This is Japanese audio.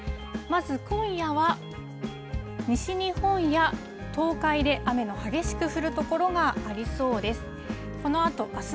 まず今夜は西日本や東海で雨の激しく降る所がありそうです。